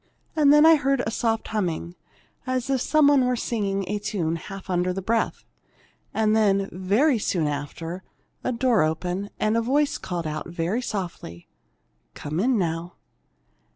And then I heard a soft humming, as if some one were singing a tune half under the breath. And then, very soon after, a door opened, and a voice called out, very softly, 'Come in, now!'